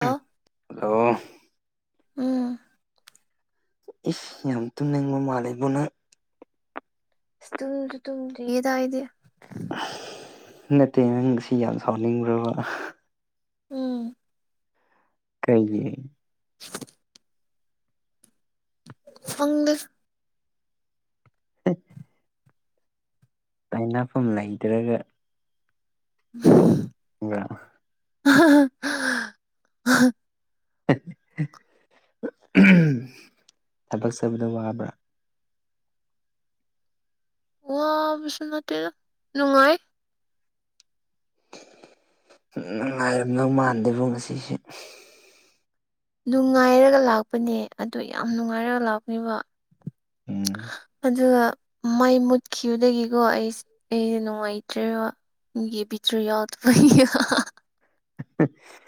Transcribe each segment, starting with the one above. ꯑ ꯍꯜꯂꯣ ꯎꯝ ꯏꯁ ꯌꯥꯝ ꯇꯨꯝꯅꯤꯡꯕ ꯃꯥꯜꯂꯤꯕꯣ ꯅꯪ ꯏꯁ ꯇꯨꯝꯁꯨ ꯇꯨꯝꯗ꯭ꯔꯤꯗ ꯑꯩꯗꯤ ꯅꯠꯇꯦ ꯅꯪꯁꯤ ꯌꯥꯝ ꯁꯥꯎꯅꯤꯡꯕ꯭ꯔꯕ ꯎꯝ ꯀꯩꯒꯤ [inaudible] ꯈꯪꯗꯦ [inaudible] ꯇꯥꯏꯅꯐꯝ ꯂꯩꯇ꯭ꯔꯒ [unintelligible] ꯃꯊꯕ [inaudible] ꯊꯕꯛ ꯆꯠꯄꯗꯨ ꯋꯥꯕ꯭ꯔꯥ ꯋꯥꯕꯁꯨ ꯅꯠꯇꯦꯗ ꯅꯨꯡꯉꯥꯏ ꯅꯨꯡꯉꯥꯏꯔꯝꯗꯧ ꯃꯥꯟꯗꯦꯕꯨ ꯉꯁꯤꯁꯦ ꯅꯨꯡꯉꯥꯏꯔꯒ ꯂꯥꯛꯄꯅꯦ ꯑꯗꯨ ꯌꯥꯝ ꯅꯨꯡꯉꯥꯏꯔꯒ ꯂꯥꯛꯄꯅꯦꯕ ꯎꯝ ꯑꯗꯨꯒ ꯃꯩ ꯃꯨꯠꯈꯤꯕꯗꯒꯤꯀꯣ ꯑꯩꯁ ꯑꯩꯁꯦ ꯅꯨꯡꯉꯥꯏꯇ꯭ꯔꯦꯕ [unintelligible] ꯍ [unintelligible]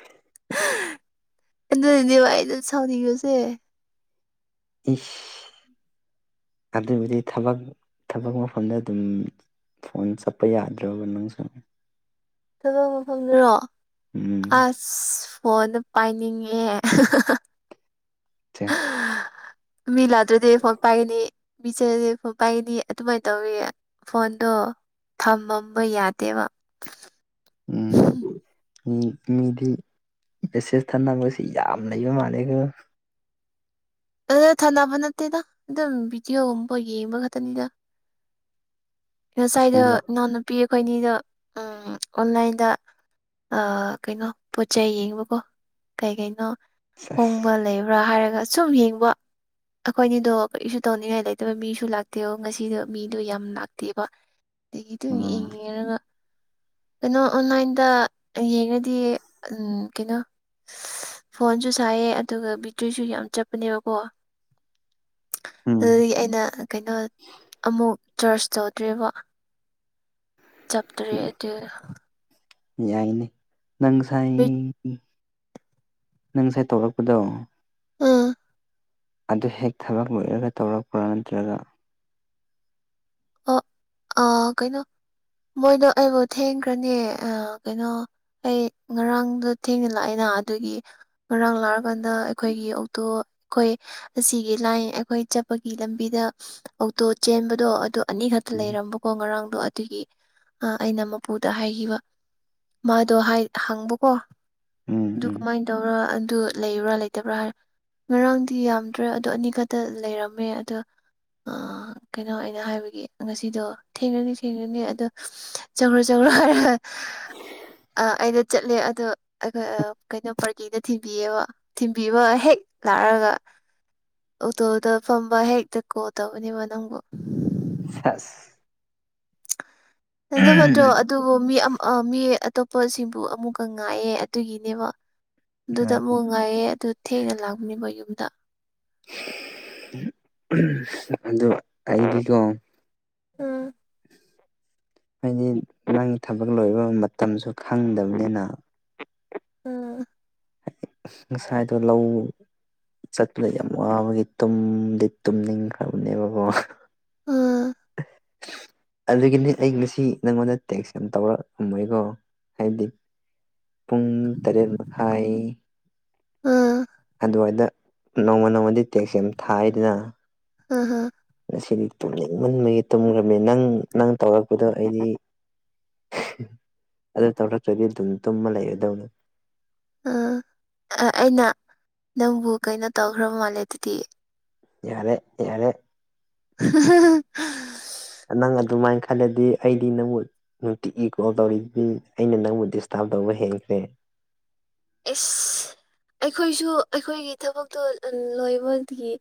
ꯗꯤ ꯋꯥꯏꯗ ꯁꯥꯎꯅꯤꯒꯁꯦ [unintelligible] ꯏꯁ ꯑꯗꯨꯕꯨꯗꯤ ꯊꯕꯛ ꯊꯕꯛ ꯃꯐꯝꯗ ꯑꯗꯨꯝ ꯐꯣꯟ ꯆꯠꯄ ꯌꯥꯗ꯭ꯔꯣꯕ ꯅꯪꯁꯨ ꯊꯕꯛ ꯃꯐꯝꯗꯨꯔꯣ ꯎꯝ ꯑꯁ ꯐꯣꯟꯗ ꯄꯥꯏꯅꯤꯡꯉꯦ ꯑ [unintelligible] ꯃꯤꯂꯥꯗ꯭ꯔꯦꯗꯤ ꯐꯣꯟ ꯄꯥꯏꯒꯅꯤ ꯃꯤꯆꯁꯦ [unintelligible] ꯐꯣꯟ ꯄꯥꯏꯅꯤ ꯑꯗꯨꯃꯥꯏꯅ ꯇꯧꯋ ꯐꯣꯟꯗꯣ ꯊꯝꯃꯝꯕ ꯌꯥꯗꯦꯕ ꯎꯝ [unintelligible] ꯃꯤ ꯃꯤꯗꯤ ꯃꯦꯁꯦꯁ ꯊꯅꯕꯁꯤ ꯌꯥꯝ ꯂꯩꯕ ꯃꯥꯂꯦꯀꫭ ꯑꯗꯨ ꯊꯥꯅꯕ ꯅꯠꯇꯦꯗ ꯑꯗꯨꯝ ꯚꯤꯗꯤꯑꯣꯒꯨꯝꯕ ꯌꯦꯡꯕ ꯈꯛꯇꯅꯤꯗ ꯉꯁꯥꯏꯗꯣ ꯑꯁꯦꯡꯕ ꯏꯅꯥꯎꯅꯨꯄꯤ ꯑꯩꯈꯣꯏ ꯑꯅꯤꯗꯣ ꯑꯣꯟꯂꯥꯏꯟꯗ ꯑ ꯀꯩꯅꯣ ꯄꯣꯠ ꯆꯩꯩ ꯌꯦꯡꯕꯀꯣ ꯀꯩ ꯀꯩꯅꯣ ꯍꯣꯡꯕ ꯁꯦꯁ ꯂꯩꯕ꯭ꯔꯥ ꯍꯥꯏꯔꯒ ꯁꯨꯝ ꯌꯦꯡꯕ ꯑꯩꯈꯣꯏꯅꯤꯗꯣ ꯀꯔꯤꯁꯨ ꯇꯧꯅꯤꯡꯉꯥꯏ ꯂꯩꯇꯕ ꯃꯤꯁꯨ ꯂꯥꯛꯇꯦꯕ ꯉꯁꯤꯗꯣ ꯃꯤꯗꯣ ꯌꯥꯝ ꯂꯥꯛꯇꯦꯕ ꯑꯗꯒꯤ ꯇꯨ ꯎꯝ ꯌꯦꯡꯉꯦꯔꯒ ꯀꯩꯅꯣ ꯑꯣꯟꯂꯥꯏꯟꯗ ꯌꯦꯡꯉꯗꯤ ꯎꯝ ꯀꯩꯅꯣ ꯐꯣꯟꯁꯨ ꯁꯥꯏꯌꯦ ꯑꯗꯨꯒ ꯕꯦꯇ꯭ꯔꯤꯁꯨ ꯌꯥꯝ ꯆꯠꯄꯅꯦꯕ ꯑꯣ ꯎꯝ ꯑꯗꯨꯗꯒꯤ ꯑꯩꯅ ꯀꯩꯅꯣ ꯑꯃꯨꯛ ꯆꯔꯆ ꯇꯧꯗ꯭ꯔꯤꯕ ꯆꯞꯇ꯭ꯔꯦ ꯑꯗꯨꯏꯅ ꯌꯥꯏꯅꯦ ꯅꯪꯁꯥꯏ ꯅꯪ ꯉꯁꯥꯏ ꯇꯧꯔꯛꯄꯗꯣ ꯎꯝ ꯑꯗꯨ ꯍꯦꯛ ꯊꯕꯛ ꯂꯣꯏꯔꯒ ꯇꯧꯔꯛꯄ꯭ꯔꯥ ꯅꯠꯇ꯭ꯔꯒ ꯑꯣ ꯑ ꯀꯩꯅꯣ ꯃꯣꯏꯗꯣ ꯑꯩꯕꯨ ꯊꯦꯡꯈ꯭ꯔꯅꯦ ꯑ ꯀꯩꯅꯣ ꯑꯩ ꯉꯔꯥꯡꯗꯣ ꯊꯦꯡꯅ ꯂꯥꯛꯑꯦꯅ ꯑꯗꯨꯒꯤ ꯉꯔꯥꯡ ꯂꯥꯛꯑꯀꯥꯟꯗ ꯑꯩꯈꯣꯏꯒꯤ ꯑꯣꯇꯣ ꯑꯩꯈꯣꯏ ꯑꯁꯤꯒꯤ ꯂꯥꯏꯟ ꯑꯩꯈꯣꯏ ꯆꯠꯄꯒꯤ ꯂꯝꯕꯤꯗ ꯑꯣꯛꯇꯣ ꯆꯦꯟꯕꯗꯣ ꯑꯗꯣ ꯑꯅꯤꯈꯛꯇ ꯎꯝ ꯂꯩꯔꯝꯕꯀꯣ ꯉꯔꯥꯡꯗꯣ ꯑꯗꯨꯒꯤ ꯑ ꯑꯩꯅ ꯃꯄꯨꯗ ꯍꯥꯏꯈꯤꯕ ꯃꯥꯗꯣ ꯍꯥꯏ ꯍꯪꯕꯀꯣ ꯎꯝ ꯑꯗꯨ ꯎꯝ ꯀꯃꯥꯏꯅ ꯇꯧꯔꯒ ꯑꯗꯨ ꯂꯩꯕ꯭ꯔꯥ ꯂꯩꯇꯕ꯭ꯔꯥ ꯍꯥꯏ ꯉꯔꯥꯡꯗꯤ ꯌꯥꯝꯗ꯭ꯔꯦ ꯑꯗꯣ ꯑꯅꯤ ꯈꯛꯇ ꯂꯩꯔꯝꯃꯦ ꯑꯗꯣ ꯑ ꯀꯩꯅꯣ ꯑꯩꯅ ꯍꯥꯏꯕ ꯉꯁꯤꯗꯣ ꯊꯦꯡꯉꯅꯤ ꯊꯦꯡꯉꯅꯤ ꯑꯗꯣ ꯆꯧꯔ ꯆꯧꯔ ꯍꯥꯏꯔꯒ ꯑ ꯑꯩꯗ ꯆꯠꯂꯦ ꯑꯗꯣ ꯑꯩꯈꯣꯏ ꯀꯩꯅꯣ ꯄꯥꯔꯇꯤꯗ ꯊꯤꯟꯕꯤꯌꯦꯕ ꯊꯤꯟꯕꯤꯕ ꯍꯦꯛ ꯂꯥꯛꯔꯒ ꯑꯣꯇꯣꯗ ꯐꯝꯕ ꯍꯦꯛꯇ ꯀꯣꯜ ꯇꯧꯕꯅꯦꯕ ꯅꯪꯕꯨ ꯁꯥꯁ [unintelligible] ꯐꯠꯇ꯭ꯔꯣ ꯑꯗꯨꯕꯨ ꯃꯤ ꯃꯤ ꯑꯇꯣꯞꯄꯁꯤꯡꯕꯨ ꯑꯃꯨꯛꯀ ꯉꯥꯏꯌꯦ ꯑꯗꯨꯒꯤꯅꯦꯕ ꯑꯗꯨꯗ ꯑꯃꯨꯛ ꯉꯥꯏꯌꯦ ꯑꯗꯨ ꯊꯦꯡꯅ ꯂꯥꯛꯄꯅꯦꯕ ꯈꯣꯏ ꯌꯨꯝꯗ ꯑꯗꯨ ꯑꯩꯗꯤꯀꯣ ꯎꯝ ꯍꯥꯏꯗꯤ ꯅꯪꯒꯤ ꯊꯕꯛ ꯂꯣꯏꯕ ꯃꯇꯝꯁꯨ ꯈꯪꯗꯕꯅꯤꯅ ꯑꯥ ꯉꯁꯥꯏꯗꯣ ꯂꯧ ꯆꯠꯂꯦ ꯌꯥꯝ ꯋꯥꯕꯒꯤ ꯇꯨꯝꯗꯤ ꯇꯨꯝꯅꯤꯡꯈ꯭ꯔꯕꯅꯦꯕꯀꯣ ꯎꯝ ꯑꯗꯨꯒꯤꯅꯦ ꯑꯩ ꯉꯁꯤ ꯅꯪꯉꯣꯟꯗ ꯇꯦꯛꯁ ꯌꯥꯝ ꯇꯧꯔꯛꯑꯃꯣꯏꯀꯣ ꯍꯥꯏꯗꯤ ꯄꯨꯡ ꯇꯔꯦꯠ ꯃꯈꯥꯏ ꯑꯥ ꯑꯗꯨꯋꯥꯏꯗ ꯅꯣꯡꯃ ꯅꯣꯡꯃꯗꯤ ꯇꯦꯛꯁ ꯌꯥꯝ ꯊꯥꯏꯌꯦꯗꯅ ꯑꯥꯍꯥ ꯉꯁꯤꯗꯤ ꯇꯨꯝꯅꯤꯡꯃꯟꯕꯒꯤ ꯇꯨꯝꯈ꯭ꯔꯕꯅꯤ ꯅꯪ ꯅꯪ ꯇꯧꯔꯛꯄꯗꯣ ꯑꯩꯗꯤ ꯑꯗꯨ ꯇꯧꯔꯛꯇ꯭ꯔꯗꯤ ꯑꯗꯨꯝ ꯇꯨꯝꯃ ꯂꯩꯔꯗꯧꯅꯤ ꯑ ꯑꯩꯅ ꯅꯪꯕꯨ ꯀꯩꯅꯣ ꯇꯧꯈ꯭ꯔ ꯃꯥꯜꯂꯦ ꯑꯗꯨꯗꯤ ꯌꯥꯔꯦ ꯌꯥꯔꯦ ꯑꯍꯥꯍꯥ ꯅꯪ ꯑꯗꯨꯃꯥꯏꯅ ꯈꯜꯂꯗꯤ ꯑꯩꯗꯤ ꯅꯪꯕꯨ ꯅꯨꯡꯇꯤꯒꯤ ꯀꯣꯜ ꯇꯧꯔꯤꯗꯨꯗꯤ ꯑꯩꯅ ꯅꯪꯕꯨ ꯗꯤꯁꯇꯥꯔꯕ ꯇꯧꯕ ꯍꯦꯟꯈ꯭ꯔꯦ ꯏꯁ ꯑꯩꯈꯣꯏꯁꯨ ꯑꯩꯈꯣꯏꯒꯤ ꯊꯕꯛꯇꯣ ꯂꯣꯏꯕꯒꯤ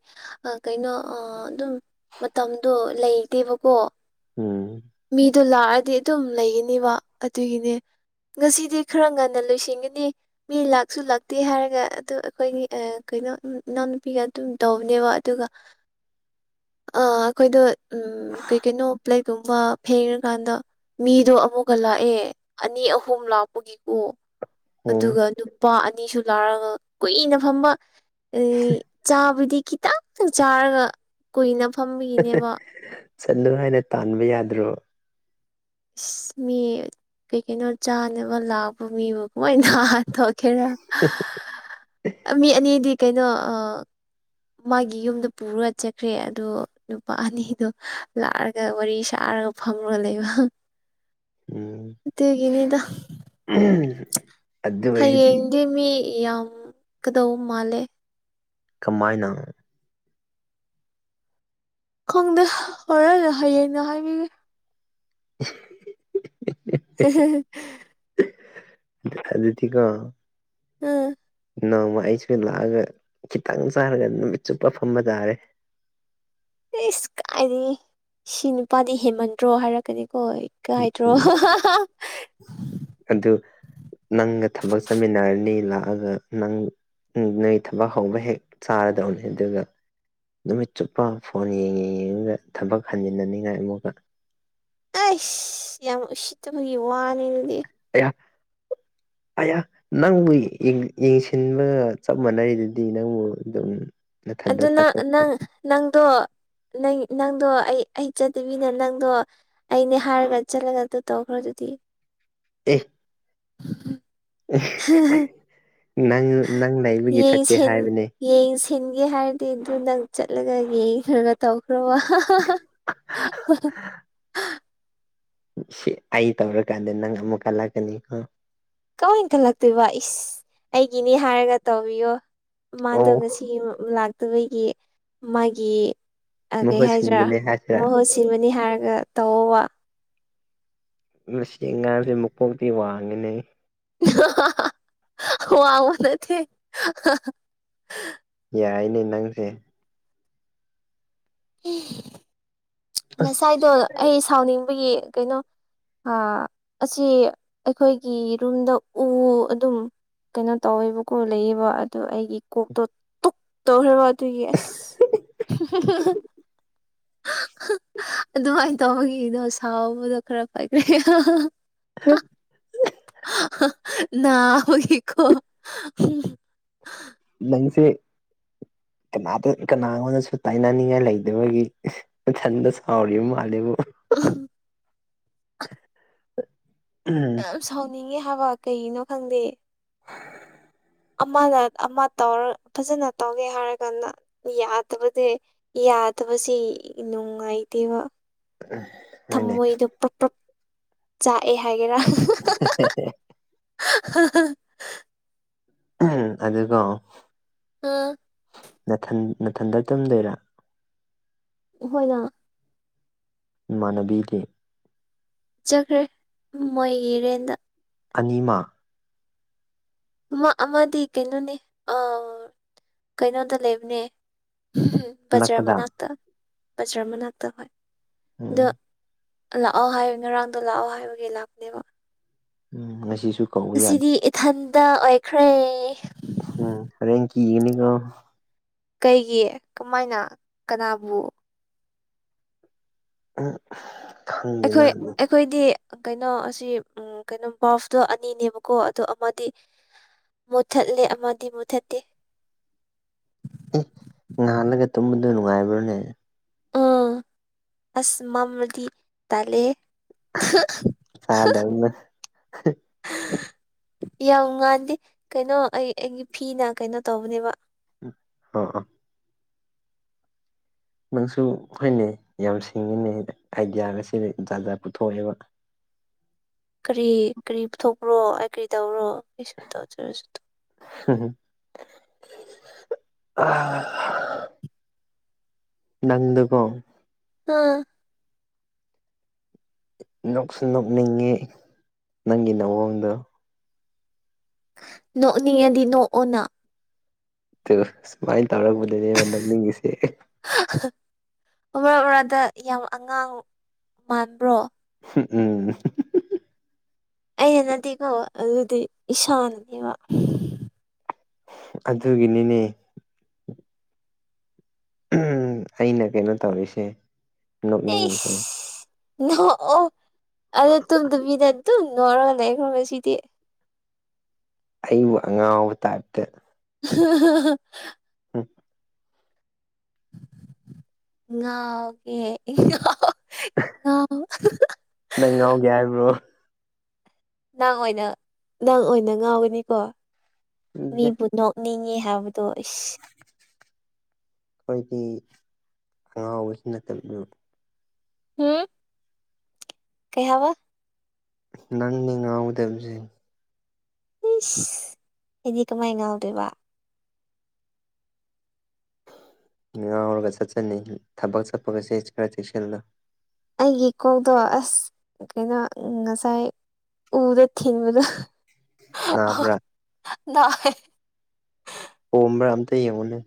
ꯑꯥ ꯀꯩꯅꯣ ꯑꯥ ꯑꯗꯨꯝ ꯃꯇꯝꯗꯣ ꯂꯩꯇꯦꯕꯀꯣ ꯎꯝ ꯃꯤꯗꯣ ꯂꯥꯛꯑꯗꯤ ꯑꯗꯨꯝ ꯂꯩꯒꯅꯤꯕ ꯑꯗꯨꯒꯤꯅꯦ ꯉꯁꯤꯗꯤ ꯈꯔ ꯉꯟꯅ ꯂꯣꯏꯁꯤꯟꯒꯅꯤ ꯃꯤ ꯂꯥꯛꯁꯨ ꯂꯥꯛꯇꯦ ꯍꯥꯏꯔꯒ ꯑꯗꯨ ꯑꯩꯈꯣꯏꯒꯤ ꯀꯩꯅꯣ ꯏꯅꯥꯎꯅꯨꯄꯤꯒ ꯑꯗꯨꯝ ꯇꯧꯕꯅꯦꯕ ꯑꯗꯨꯒ ꯑꯥ ꯑꯩꯈꯣꯏꯗꯣ ꯎꯝ ꯀꯩꯀꯩꯅꯣ ꯄ꯭ꯂꯦꯠ ꯒꯨꯝꯕ ꯐꯦꯡꯔꯀꯥꯟꯗ ꯃꯤꯗꯣ ꯑꯃꯨꯛꯀꯥ ꯂꯥꯛꯑꯦ ꯑꯅꯤ ꯑꯍꯨꯝ ꯂꯥꯛꯄꯒꯤꯀꯣ ꯎꯝ ꯑꯗꯨꯒ ꯅꯨꯄꯥ ꯑꯅꯤꯁꯨ ꯂꯥꯔꯒ ꯀꯨꯏꯅ ꯐꯝꯕ ꯆꯥꯕꯨꯗꯤ ꯈꯤꯇꯪꯪ ꯆꯥꯔꯒ ꯀꯨꯏꯅ ꯐꯝꯕꯤꯒꯤꯅꯦꯕ ꯆꯠꯂꯨ ꯍꯥꯏꯅ ꯇꯥꯟꯕ ꯌꯥꯗ꯭ꯔꯣ ꯏꯁ ꯃꯤ ꯀꯩ ꯀꯩꯅꯣ ꯆꯥꯅꯕ ꯂꯥꯛꯄ ꯃꯤꯕꯨ ꯀꯃꯥꯏꯅ [unintelligible] ꯈꯦꯔꯥ ꯑꯥ ꯃꯤ ꯑꯅꯤꯗꯤ ꯀꯩꯅꯣ ꯃꯥꯒꯤ ꯌꯨꯝꯗ ꯄꯨꯔꯒ ꯆꯠꯈ꯭ꯔꯦ ꯑꯗꯣ ꯅꯨꯄꯥ ꯑꯅꯤꯗꯣ ꯂꯥꯛꯑꯒ ꯋꯥꯔꯤ ꯁꯥꯔꯒ ꯐꯝꯔꯒ ꯂꯩꯕ ꯑꯗꯨꯒꯤꯅꯤꯗ ꯎꯝ ꯑꯗꯨ ꯑꯣꯏꯔꯗꯤ ꯍꯌꯦꯡꯗꯤ ꯃꯤ ꯌꯥꯝ ꯀꯥꯗꯧ ꯃꯥꯜꯂꯦ ꯀꯃꯥꯏꯅ ꯈꯪꯗ ꯍꯣꯔꯦꯟꯅ ꯍꯌꯦꯡꯅ ꯍꯥꯏꯕꯤꯒꯦ [unintelligible] [unintelligible] ꯑꯗꯨꯗꯤꯀꯣ ꯎꯝ ꯅꯣꯡꯃꯥ ꯑꯩꯁꯨ ꯂꯥꯛꯑꯒ ꯈꯤꯇꯪ ꯆꯥꯔꯒ ꯅꯨꯃꯤꯠ ꯆꯨꯞꯄ ꯐꯝꯕ ꯇꯥꯔꯦ ꯏꯁ ꯀꯥꯏꯗꯒꯤ ꯁꯤ ꯅꯨꯄꯥꯗꯤ ꯍꯦꯃꯟꯗ꯭ꯔꯣ ꯍꯥꯏꯔꯛꯀꯥꯅꯤ ꯍꯣꯏ ꯀꯥꯏꯗ꯭ꯔꯣ ꯎꯝ ꯑꯗꯨ ꯅꯪꯒ ꯊꯕꯛ ꯆꯠꯃꯤꯟꯅꯔꯅꯤ ꯂꯥꯛꯑꯒ ꯅꯪ ꯎꯝ ꯅꯣꯏ ꯊꯕꯛ ꯍꯧꯕ ꯍꯦꯛ ꯆꯥꯔꯗꯧꯅꯤ ꯑꯗꯨꯒ ꯅꯨꯃꯤꯠ ꯆꯨꯞꯄ ꯐꯣꯟ ꯌꯦꯡꯉꯦ ꯌꯦꯡꯉꯒ ꯊꯕꯛ ꯍꯟꯖꯤꯟꯅꯅꯤꯡꯉꯥꯏ ꯑꯃꯨꯛꯀꯥ ꯑꯩꯁ ꯌꯥꯝ ꯎꯁꯤꯠꯇꯕꯒꯤ ꯋꯥꯅꯤ ꯑꯗꯨꯗꯤ ꯑꯌꯥ ꯑꯌꯥ ꯅꯪꯕꯨ ꯌꯦꯡ ꯌꯦꯡꯁꯤꯟꯕꯒ ꯆꯞ ꯃꯥꯟꯅꯔꯤꯗꯨꯗꯤ ꯅꯪꯕꯨ ꯑꯗꯨꯝ ꯅꯊꯟꯗ ꯑꯗꯨꯅ ꯊꯥꯗꯣꯛ ꯅꯪ ꯅꯪꯗꯣ ꯅꯪ ꯅꯪꯗꯣ ꯑꯩ ꯑꯩ ꯆꯠꯇꯕꯤꯗ ꯅꯪꯗꯣ ꯑꯩꯅꯦ ꯍꯥꯏꯔꯒ ꯆꯠꯂꯒ ꯑꯗꯨ ꯇꯧꯈ꯭ꯔꯥꯗꯨꯗꯤ ꯑꯦ ꯍꯦ ꯍꯦ ꯅꯪ ꯅꯪ ꯂꯩꯕꯒꯤ ꯆꯠꯀꯦ ꯌꯦꯡꯁꯤꯟ ꯍꯥꯏꯕꯅꯦ ꯌꯦꯡꯁꯤꯟꯒꯦ ꯍꯥꯏꯔꯗꯤ ꯑꯗꯨ ꯅꯪ ꯆꯠꯂꯒ ꯌꯦꯡꯈ꯭ꯔꯒ ꯇꯧꯈ꯭ꯔꯣꯕ [unintelligible] ꯁꯤ ꯑꯩ ꯇꯧꯔꯀꯥꯟꯗ ꯅꯪ ꯑꯃꯨꯛ ꯀꯜꯂꯛꯀꯥꯅꯤꯀꯣ ꯀꯃꯥꯏꯟ ꯀꯠꯂꯛꯇꯣꯏꯕ ꯏꯁ ꯑꯩꯒꯤꯅꯤ ꯍꯥꯏꯔꯒ ꯇꯧꯕꯤꯌꯣ ꯃꯥꯗꯣ ꯑꯣ ꯉꯁꯤ ꯎꯝ ꯂꯥꯛꯇꯕꯒꯤ ꯃꯥꯒꯤ ꯑꯥ ꯀꯩ ꯃꯍꯨꯠ ꯍꯥꯏꯁꯦꯔꯥ ꯁꯤꯟꯕꯅꯦ ꯍꯥꯏꯁꯤꯔꯥ ꯃꯍꯨꯠ ꯁꯤꯟꯕꯅꯤ ꯍꯥꯏꯔꯒ ꯇꯧꯑꯣꯕ ꯃꯁꯤ ꯑꯉꯥꯡꯁꯤ ꯃꯛꯀꯣꯛꯇꯤ ꯋꯥꯡꯉꯤꯅꯦ ꯍꯥ ꯍꯥ ꯍꯥ ꯋꯥꯕ ꯅꯠꯇꯦ ꯍꯥ ꯍꯥ ꯌꯥꯏꯅꯦ ꯅꯪꯁꯦ ꯍꯝ ꯑꯁ ꯉꯁꯥꯏꯗꯣ ꯑꯩ ꯁꯥꯎꯅꯤꯡꯕꯒꯤ ꯀꯩꯅꯣ ꯑ ꯑꯁꯤ ꯑꯩꯈꯣꯏꯒꯤ ꯔꯨꯝꯗ ꯎ ꯑꯗꯨꯝ ꯀꯩꯅꯣ ꯇꯧꯋꯦꯕꯀꯣ ꯂꯩꯌꯦꯕ ꯑꯗꯨ ꯑꯩꯒꯤ ꯀꯣꯛꯇꯣ ꯇꯨꯛ ꯇꯧ [unintelligible] ꯑꯗꯨꯒꯤ ꯑꯁ ꯍꯝꯍꯝꯍꯝꯍꯥ ꯍꯥ ꯑꯗꯨꯃꯥꯏꯅ ꯇꯧꯕꯒꯤꯗꯣ ꯁꯥꯎꯕꯗꯣ ꯈꯔꯥ ꯀꯥꯏꯈ꯭ꯔꯦ ꯍꯥ ꯍꯥ ꯍꯥ ꯍꯥ ꯍꯥ [unintelligible] ꯅꯥꯕꯒꯤꯀꯣ ꯍꯝ ꯍꯝ ꯅꯪꯁꯦ ꯀꯅꯥꯗ ꯀꯅꯥꯉꯣꯟꯗꯁꯨ ꯇꯥꯏꯅꯅꯤꯡꯉꯥꯏ ꯂꯩꯇꯕꯒꯤ ꯅꯊꯟꯗ ꯁꯥꯎꯔꯤ ꯃꯥꯂꯦꯕꯣ [unintelligible] ꯎꯝ ꯌꯥꯝ ꯁꯥꯎꯅꯤꯡꯉꯦ ꯍꯥꯏꯕ ꯀꯩꯒꯤꯅꯣ ꯈꯪꯗꯦ ꯑꯃꯅ ꯑꯃ ꯇꯧꯔ ꯐꯖꯅ ꯇꯧꯒꯦ ꯍꯥꯏꯔꯀꯥꯟꯗ ꯌꯥꯗꯕꯗꯤ ꯌꯥꯗꯕꯁꯤ ꯅꯨꯡꯉꯥꯏꯇꯦꯕ ꯍꯣꯏꯅꯦ ꯊꯝꯃꯣꯏꯗꯣ ꯄꯔꯣꯛ ꯄꯔꯣꯛ ꯆꯥꯛꯑꯦ ꯍꯥꯏꯒꯦꯔꯥ ꯍꯥ ꯍꯥ ꯍꯦ ꯍꯦ ꯍꯦ ꯍꯥ ꯍꯥ ꯎꯝ ꯑꯗꯨꯀꯣ ꯑ ꯅꯊꯟ ꯅꯊꯟꯗ ꯇꯨꯝꯗꯣꯏꯔꯥ ꯑꯈꯣꯏꯗ ꯏꯃꯥꯟꯅꯕꯤꯗꯤ ꯆꯠꯈ꯭ꯔꯦ ꯃꯣꯏꯒꯤ ꯔꯦꯟꯠꯗ ꯑꯅꯤꯃꯛ ꯑꯃ ꯑꯃꯗꯤ ꯀꯩꯅꯣꯅꯦ ꯑꯥ ꯀꯩꯅꯣꯗ ꯂꯩꯕꯅꯦ ꯍꯝ ꯍꯝ ꯕꯖꯔꯥ ꯑꯅꯛꯄꯗ ꯃꯅꯥꯛꯇ ꯕꯖꯔꯥ ꯃꯅꯥꯛꯇ ꯍꯣꯏ ꯑꯗꯣ ꯎꯝ ꯂꯥꯛꯑꯣ ꯍꯥꯏ ꯉꯔꯥꯡꯗꯣ ꯂꯥꯛꯑꯣ ꯍꯥꯏꯕꯒꯤ ꯂꯥꯛꯄꯅꯦꯕ ꯎꯝ ꯉꯁꯤꯁꯨ ꯀꯧꯕ ꯌꯥꯗꯦ ꯉꯁꯤꯗꯤ ꯏꯊꯟꯗ ꯑꯣꯏꯈ꯭ꯔꯦ ꯎꯝ ꯍꯣꯔꯦꯟ ꯀꯤꯒꯅꯤꯀꯣ ꯀꯩꯒꯤ ꯀꯃꯥꯏꯅ ꯀꯅꯥꯕꯨ ꯎꯝ ꯈꯪꯗꯦꯅ ꯈꯣꯏꯗꯤ ꯀꯩꯅꯣ ꯑꯁꯤ ꯎꯝ ꯀꯩꯅꯣ ꯕ꯭ꯜꯕꯇꯣ ꯑꯅꯤꯅꯦꯕꯀꯣ ꯑꯗꯣ ꯑꯃꯗꯤ ꯃꯨꯠꯊꯠꯂꯦ ꯑꯃꯗꯤ ꯃꯨꯠꯊꯠꯇꯦ ꯑꯦ ꯉꯥꯜꯂꯒꯥ ꯇꯨꯝꯕꯗꯨ ꯅꯨꯡꯉꯥꯏꯕ꯭ꯔꯅꯦ ꯎꯝ ꯑꯁ ꯃꯝꯃꯗꯤ ꯇꯜꯂꯦꯌꯦ [unintelligible] ꯆꯥꯗꯕꯅ [unintelligible] ꯌꯥꯝ ꯉꯥꯟꯗꯦ ꯀꯩꯅꯣ ꯑꯩ ꯑꯩꯒꯤ ꯐꯤꯅ ꯀꯩꯅꯣ ꯇꯧꯕꯅꯦꯕ ꯑꯣ ꯑꯣ ꯅꯪꯁꯨ ꯍꯣꯏꯅꯦ ꯌꯥꯝ ꯁꯤꯡꯉꯤꯅꯦ ꯑꯥꯏꯗꯤꯌꯥꯒꯁꯤ ꯖꯥꯠ ꯖꯥꯠ ꯄꯨꯊꯣꯛꯑꯦꯕ ꯀꯔꯤ ꯀꯔꯤ ꯄꯨꯊꯣꯛꯄ꯭ꯔꯣ ꯑꯩ ꯀꯔꯤ ꯇꯧꯕꯔꯣ [unintelligible] [unintelligible] ꯅꯪꯗꯨꯀꯣ ꯍꯥ ꯅꯣꯛꯁꯨ ꯅꯣꯛꯅꯤꯡꯉꯤ ꯅꯪꯒꯤ ꯅꯑꯣꯡꯗꯣ ꯅꯣꯛꯅꯤꯡꯉꯗꯤ ꯅꯣꯛꯑꯣꯅ ꯇꯨ ꯁꯨꯃꯥꯏꯅ ꯇꯧꯔꯛꯄꯗꯅꯦ ꯅꯣꯛꯅꯤꯡꯉꯤꯁꯦ ꯃꯔꯛ ꯃꯔꯛꯇ ꯌꯥꯝ ꯑꯉꯥꯡ ꯃꯥꯟꯕ꯭ꯔꯣ [unintelligible] ꯎꯝ [unintelligible] ꯑꯩꯅ ꯅꯠꯇꯦꯀꯣ ꯑꯗꯨꯗꯤ ꯏꯁꯥꯅꯅꯦꯕ ꯑꯗꯨꯒꯤꯅꯤꯅꯦ ꯎꯝ ꯑꯩꯅ ꯀꯩꯅꯣ ꯇꯧꯔꯤꯁꯦ ꯅꯣꯛꯅꯤꯡꯉꯤꯁꯦ ꯏꯁ ꯅꯣꯛꯑꯣ ꯑꯗꯣ ꯇꯨꯝꯗꯕꯤꯗ ꯑꯗꯨꯝ ꯅꯣꯛꯔꯒ ꯂꯩꯈ꯭ꯔꯣ ꯉꯁꯤꯗꯤ ꯑꯩꯕꯨ ꯑꯉꯥꯎꯕ ꯇꯥꯏꯞꯇ [unintelligible] ꯎꯝ ꯉꯥꯎꯒꯦ [unintelligible] ꯉꯥꯎ ꯅꯪ ꯉꯥꯎꯒꯦ ꯍꯥꯏꯕ꯭ꯔꯣ ꯅꯪ ꯑꯣꯏꯅ ꯅꯪ ꯑꯣꯏꯅ ꯉꯥꯎꯒꯅꯤꯀꯣ ꯃꯤꯕꯨ ꯅꯣꯛꯅꯤꯡꯉꯤ ꯍꯥꯏꯕ ꯇꯣ ꯏꯁ ꯑꯩꯈꯣꯏꯗꯤ ꯑꯉꯥꯎꯕꯁꯨ ꯅꯠꯇꯗꯨꯕꯨ ꯎꯝ ꯀꯩ ꯍꯥꯏꯕ ꯅꯪꯅꯦ ꯉꯥꯎꯒꯗꯕꯁꯦ ꯏꯁ ꯑꯩꯗꯤ ꯀꯃꯥꯏ ꯉꯥꯎꯗꯣꯏꯕ ꯉꯥꯎꯔꯒ ꯆꯠꯆꯅꯤ ꯊꯕꯛ ꯆꯠꯄꯒꯁꯦ ꯈꯔ ꯆꯦꯛꯁꯤꯜꯂꯣ ꯑꯩꯒꯤꯀꯣꯛꯗꯣ ꯑꯁ ꯀꯩꯅꯣ ꯉꯁꯥꯏ ꯎꯗ ꯊꯤꯕꯗꯨ ꯅꯥꯕ꯭ꯔꯥ [unintelligible] ꯅꯥꯏ ꯄꯣꯝꯕ꯭ꯔꯥ ꯑꯝꯇ ꯌꯦꯡꯉꯨꯅꯦ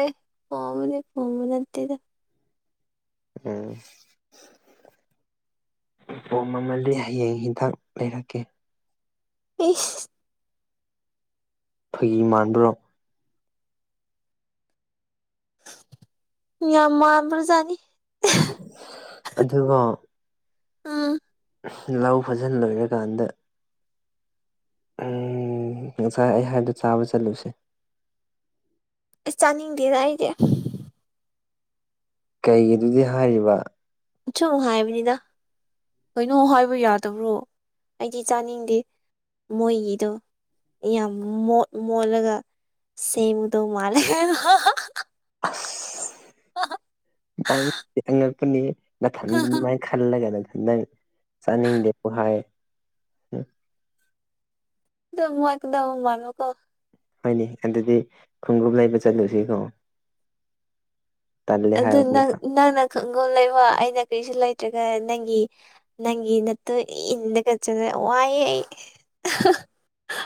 ꯑꯦ ꯐꯕꯅꯦ ꯄꯣꯝꯕ ꯅꯠꯇꯦꯗ ꯎꯝ ꯄꯣꯝꯃꯝꯃꯥꯗꯤꯗꯤ ꯍꯌꯦꯡ ꯍꯤꯗꯥꯛ ꯂꯩꯔꯛꯀꯦ ꯏꯁ ꯐꯒꯤ ꯃꯥꯟꯕ꯭ꯔꯣ ꯌꯥꯝꯃꯝꯕꯔꯖꯥꯅꯤ ꯑꯗꯨꯒ ꯎꯝ ꯂꯧ ꯐꯖꯟ ꯂꯣꯏꯔꯀꯥꯟꯗ ꯎꯝ ꯉꯁꯥꯏ ꯑꯩ ꯍꯥꯏꯕꯣꯗ ꯆꯥꯕ ꯆꯠꯂꯨꯁꯦ ꯑꯩ ꯆꯥꯅꯤꯡꯗꯦꯗ ꯑꯩꯗꯤ ꯀꯩꯒꯤ ꯑꯗꯨꯗꯤ ꯍꯥꯏꯔꯤꯕ ꯁꯨꯝ ꯍꯥꯏꯕꯅꯤꯗ ꯀꯩꯅꯣ ꯍꯥꯏꯕ ꯌꯥꯗꯕ꯭ꯔꯣ ꯑꯩꯗꯤ ꯆꯥꯅꯤꯡꯗꯦ ꯃꯣꯏꯒꯤꯗꯨ ꯌꯥꯝ ꯃꯣꯠ ꯃꯣꯠꯂꯒ ꯁꯦꯝꯕꯗ ꯃꯥꯜꯂꯦ [unintelligible] ꯑꯁ ꯅꯪ ꯑꯉꯛꯄꯅꯤ ꯅꯥꯊꯟꯗ ꯅꯨꯡꯉꯥꯏ ꯈꯜꯂꯒꯅ [unintelligible] ꯅꯪ ꯆꯥꯅꯤꯡꯗꯦꯕꯨ ꯍꯥꯏ ꯎꯝ ꯑꯗꯨꯨ [unintelligible] ꯀꯣ ꯍꯣꯏꯅꯦ ꯑꯗꯨꯗꯤ ꯈꯣꯡꯎꯞ ꯂꯩꯕ ꯆꯠꯂꯨꯁꯤꯀꯣ ꯇꯜꯂꯦ ꯑꯗꯨ ꯍꯥꯏꯕ ꯅꯪ ꯑꯃꯨꯛꯀ ꯅꯪꯅ ꯈꯨꯡꯒꯨꯞ ꯂꯩꯕ ꯑꯩꯅ ꯀꯔꯤꯁꯨ ꯂꯩꯇ꯭ꯔꯒ ꯅꯪꯒꯤ ꯅꯪꯒꯤ ꯅꯠꯇꯣ ꯏꯟꯂꯒ ꯆꯠꯂ ꯋꯥꯑꯦ ꯑꯩ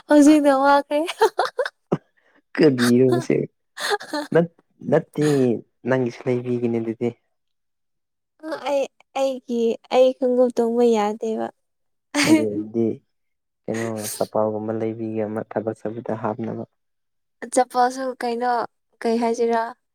ꯍꯧꯖꯤꯛꯅ ꯋꯥꯈ꯭ꯔꯦ ꯀꯗꯤ ꯌꯣꯁꯦ ꯅꯠꯇꯦ ꯅꯪꯒꯤꯁꯨ ꯂꯩꯕꯤꯒꯅꯤ ꯑꯗꯨꯗꯤ ꯑ ꯑꯩ ꯑꯩꯒꯤ ꯑꯩ ꯈꯣꯡꯎꯞ ꯇꯣꯡꯕ ꯌꯥꯗꯦꯕ ꯑꯗꯨ ꯑꯣꯏꯗꯤ ꯀꯩꯅꯣ ꯆꯞꯄꯥꯜꯒꯨꯝꯕ ꯂꯩꯕꯤꯒꯦ ꯑꯃ ꯊꯕꯛ ꯆꯇꯄꯥꯗ ꯍꯥꯞꯅꯕ ꯆꯞꯄꯜꯁꯨ ꯀꯩꯅꯣ ꯀꯩ ꯍꯥꯏꯁꯤꯔꯥ